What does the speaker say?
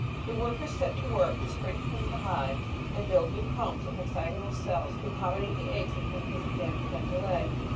The workers set to work to "spring clean" the hive and build new combs of hexagonal cells to accommodate the eggs the queen has again begun to lay.